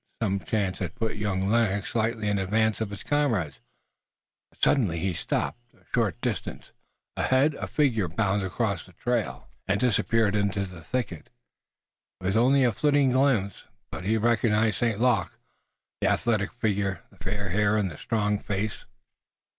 Some chance had put young Lennox slightly in advance of his comrades, but suddenly he stopped. A short distance ahead a figure bounded across the trail and disappeared in the thicket. It was only a flitting glimpse, but he recognized St. Luc, the athletic figure, the fair hair and the strong face.